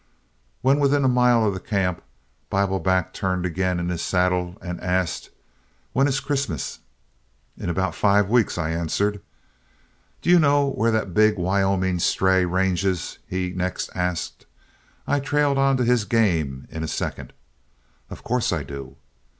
"When within a mile of camp, Bibleback turned again in his saddle and asked, 'When is Christmas?' 'In about five weeks,' I answered. 'Do you know where that big Wyoming stray ranges?' he next asked. I trailed onto his game in a second. 'Of course I do.'